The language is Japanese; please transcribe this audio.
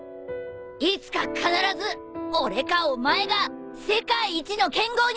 いつか必ず俺かお前が世界一の剣豪になるんだ！